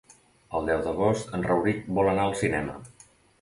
El deu d'agost en Rauric vol anar al cinema.